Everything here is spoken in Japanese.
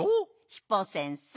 ヒポ先生。